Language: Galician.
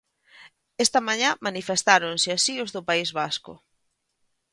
Esta mañá manifestáronse así os do País Vasco.